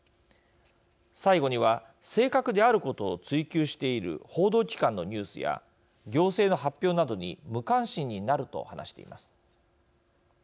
最後には、正確であることを追求している報道機関のニュースや行政の発表などに無関心になると話しています。